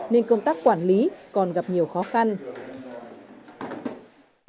nên công tác quản lý còn gặp nhiều khó khăn